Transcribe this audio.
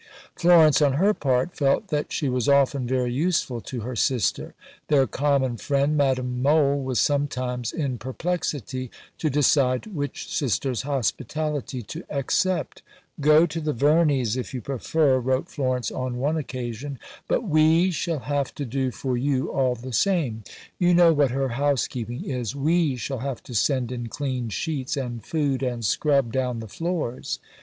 Florence, on her part, felt that she was often very useful to her sister. Their common friend, Madame Mohl, was sometimes in perplexity to decide which sister's hospitality to accept. "Go to the Verneys, if you prefer," wrote Florence on one occasion; "but we shall have to do for you all the same. You know what her housekeeping is. We shall have to send in clean sheets, and food, and scrub down the floors."